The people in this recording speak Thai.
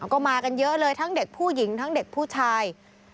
ก็มากันเยอะเลยทั้งเด็กผู้หญิงทั้งเด็กผู้ชาย